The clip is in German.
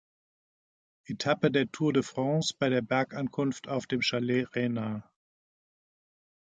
Etappe der Tour de France bei der Bergankunft auf dem Chalet Reynard.